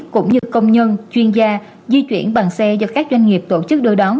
cũng như công nhân chuyên gia di chuyển bằng xe do các doanh nghiệp tổ chức đưa đón